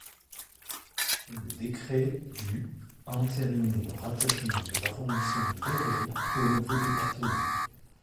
Le décret du entérinait le rattachement de l’arrondissement d’Évry au nouveau département.